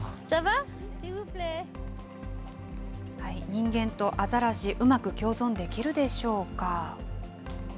人間とアザラシ、うまく共存できるでしょうか。